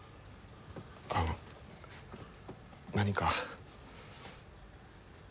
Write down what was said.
あの何か。